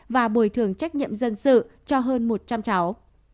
và bồi thường trách nhiệm dân sự cho hơn một trăm linh cháu